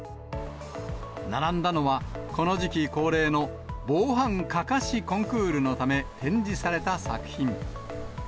並んだのは、この時期恒例の、防犯かかしコンクールのため展示された作品。